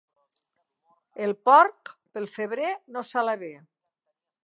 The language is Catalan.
El porc, pel febrer no sala bé.